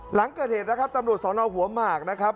หลังเกิดเหตุนะครับตำรวจสอนอหัวหมากนะครับ